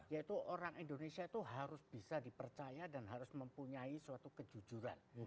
yaitu orang indonesia itu harus bisa dipercaya dan harus mempunyai suatu kejujuran